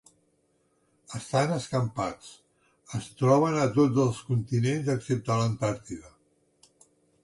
Estan escampats, es troben a tots els continents excepte a l'Antàrtida.